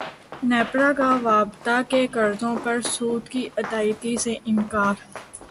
نیپرا کا واپڈا کے قرضوں پر سود کی ادائیگی سے انکار